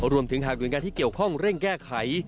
รวมถึงหากโดยงานที่เกี่ยวข้องเร่งแก้ไข